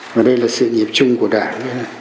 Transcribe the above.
và đây là sự nghiệp chung của đảng